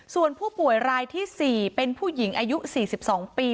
ส่วนผู้ป่วยรายที่๔เป็นผู้หญิงอายุ๔๒ปี